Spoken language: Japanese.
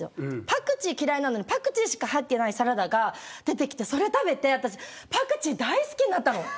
パクチー嫌いなのにパクチーしか入っていないサラダが出てきて、それ食べてパクチー大好きになったの。